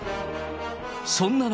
そんな中。